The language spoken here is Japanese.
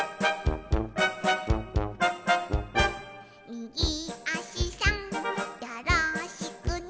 「みぎあしさんよろしくね」